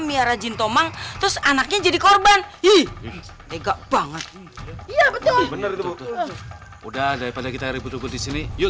miara jintomang terus anaknya jadi korban ih tega banget udah daripada kita ribut ribut di sini yuk